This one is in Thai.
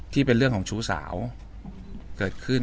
ที่เป็นเรื่องของชู้สาวเกิดขึ้น